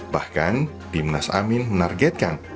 bahkan timnas amin menargetkan